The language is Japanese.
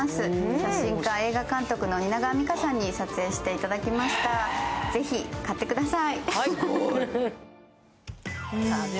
写真家・映画監督の蜷川実花さんに撮影していただきました、ぜひ買ってください。